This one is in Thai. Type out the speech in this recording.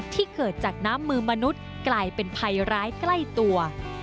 ที่เกิดจากน้ำมือมนุษย์กลายเป็นภัยร้ายใกล้ตัว